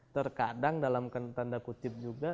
terkadang dalam tanda kutip juga